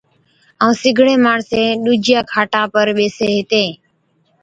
ائُون سگڙين ماڻسين ڏُوجِيان کاٽان پر ٻيسين ھِتين